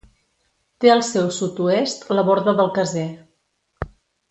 Té al seu sud-oest la Borda del Caser.